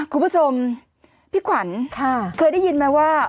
คุณผู้ชมพี่ขวัญเคยได้ยินไหมว่า